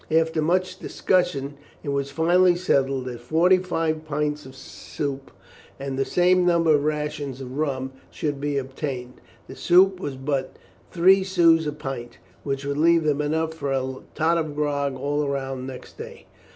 After much discussion, it was finally settled that forty five pints of soup and the same number of rations of rum should be obtained. The soup was but three sous a pint, which would leave them enough for a tot of grog all round next day.